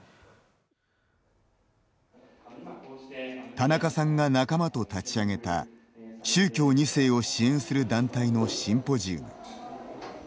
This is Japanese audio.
田中さんが仲間と立ち上げた宗教２世を支援する団体のシンポジウム。